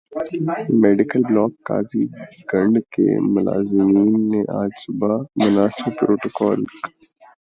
medical block Qazigund کے ملازمین نے آج صبح مناسب پروٹوکول ک